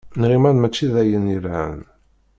Nɣiman mačči d ayen yelhan.